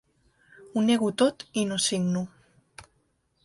Ho nego tot i no signo.